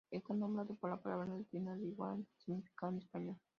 Está nombrado por la palabra latina de igual significado en español.